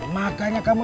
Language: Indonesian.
jangan pak ji